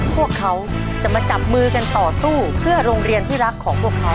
พวกเขาจะมาจับมือกันต่อสู้เพื่อโรงเรียนที่รักของพวกเขา